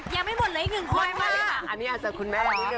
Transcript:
ยังไม่หมดเลยอีกหนึ่งคอยมาอันนี้อาจจะคุณแม่เหรอ